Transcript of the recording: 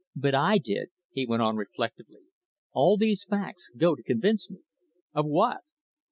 "But I did," he went on reflectively. "All these facts go to convince me." "Of what?"